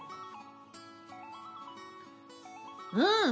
うん！